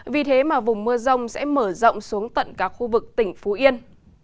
vì thế mà vùng mưa rông sẽ mở rộng xuống tận các khu vực tỉnh phú yên